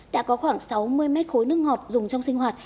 đã có khoảng sáu mươi mét khối nước ngọt dùng trong sinh hoạt